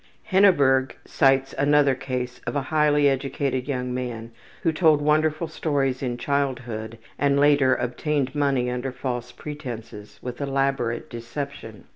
Henneberg cites another case of a highly educated young man who told wonderful stories in childhood and later obtained money under false pretenses with elaborate deception.